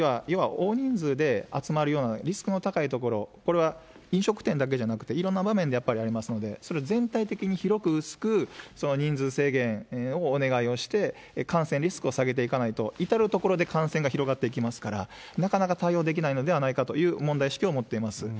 要は大人数で集まるような、リスクの高い所、これは飲食店だけじゃなくて、いろんな場面でやっぱりありますので、それを全体的に広く薄く人数制限をお願いをして、感染リスクを下げていかないと、至る所で感染が広がっていきますから、なかなか対応できないのではないかという問題意識を持っています。